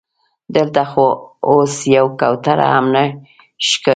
دلته خو اوس یوه کوتره هم نه ښکاري.